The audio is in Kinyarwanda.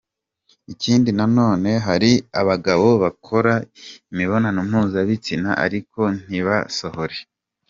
Ikindi nanone, hari abagabo bakora imibonano mpuzabitsina ariko ntibasohore.